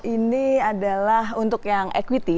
ini adalah untuk yang equity